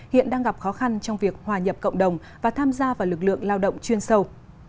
hiện đang gặp khó khăn trong việc hòa nhập cộng đồng và tham gia vào lực lượng lao động chuyên sâu